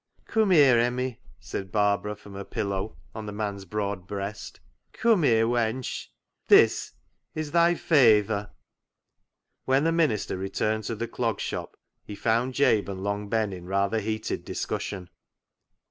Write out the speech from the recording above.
" Come here, Emmie," said Barbara from her pillow on the man's broad breast. " Come here, wench ; this is thi faytJierr When the minister returned to the Clog AN ATONEMENT 25 Shop, he found Jabe and Long Ben in rather heated discussion.